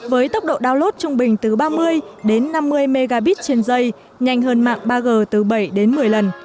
với tốc độ download trung bình từ ba mươi đến năm mươi mbps nhanh hơn mạng ba g từ bảy đến một mươi lần